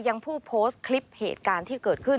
ยังผู้โพสต์คลิปเหตุการณ์ที่เกิดขึ้น